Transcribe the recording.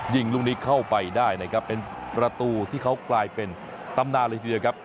ยิงลูกนี้เข้าไปได้นะครับเป็นประตูที่เขากลายเป็นตำนานเลยทีเดียวครับ